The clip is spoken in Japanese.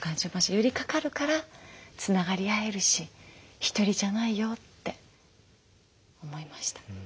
寄りかかるからつながり合えるし１人じゃないよって思いました。